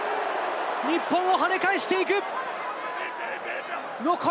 日本をはね返していく！